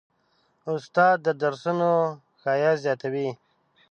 استاد د درسونو ښایست زیاتوي.